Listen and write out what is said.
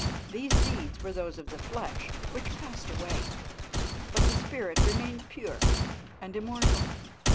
These deeds were those of the flesh, which passed away, but the spirit remained pure and immortal.